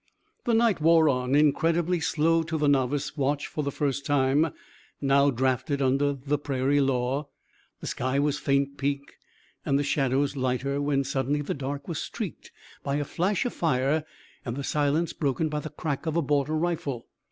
The night wore on, incredibly slow to the novice watch for the first time now drafted under the prairie law. The sky was faint pink and the shadows lighter when suddenly the dark was streaked by a flash of fire and the silence broken by the crack of a border rifle.